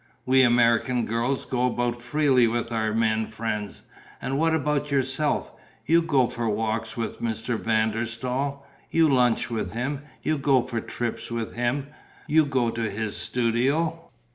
We American girls go about freely with our men friends. And what about yourself? You go for walks with Mr. van der Staal, you lunch with him, you go for trips with him, you go to his studio...."